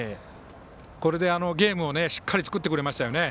これでゲームをしっかり作ってくれましたよね。